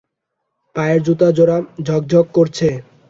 পায়ের জুতা জোড়া ঝকঝক করছে।